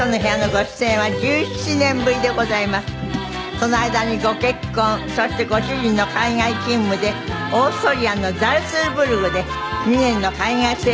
その間にご結婚そしてご主人の海外勤務でオーストリアのザルツブルクで２年の海外生活という。